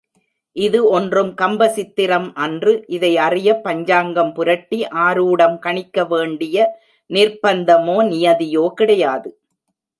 இது ஒன்றும் கம்பசித்திரம் அன்று இதை அறிய பஞ்சாங்கம் புரட்டி ஆரூடம் கணிக்கவேண்டிய நிர்ப்பந்தமோ, நியதியோ கிடையாது.